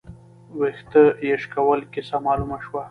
، وېښته يې شکول، کيسه مالومه شوه